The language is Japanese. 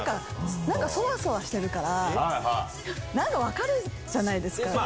なんか、そわそわしてるから、なんか分かるじゃないですか。